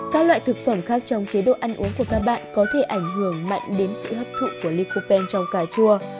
các loại thực phẩm khác trong chế độ ăn uống của các bạn có thể ảnh hưởng mạnh đến sự hấp thụ của lycopen trong cà chua